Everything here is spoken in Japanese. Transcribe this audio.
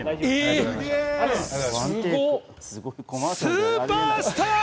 スーパースター！